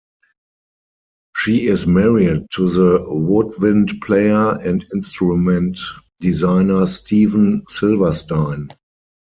She is married to the woodwind player and instrument designer Steven Silverstein.